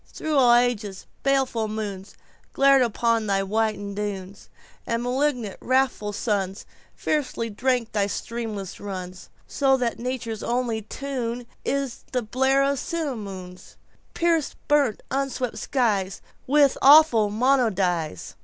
Through all ages baleful moonsGlared upon thy whited dunes; And malignant, wrathful sunsFiercely drank thy streamless runs; So that Nature's only tuneIs the blare of the simoon, Piercing burnt unweeping skiesWith its awful monodies.